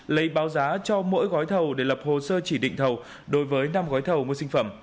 lấy báo giá cho mỗi gói thầu để lập hồ sơ chỉ định thầu đối với năm gói thầu mua sinh phẩm